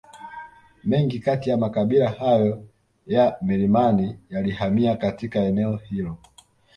Mengi kati ya makabila hayo ya milimani yalihamia katika eneo hilo